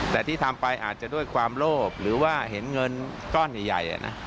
แต่ที่ทำไปอาจจะด้วยความโลภหรือว่าเห็นเงินก้อนใหญ่